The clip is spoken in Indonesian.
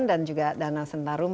dan juga danau sentarung